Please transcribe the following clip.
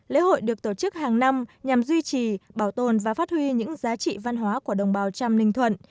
lễ hội được tổ chức hàng năm nhằm duy trì bảo tồn và phát huy những giá trị văn hóa của đồng bào trăm ninh thuận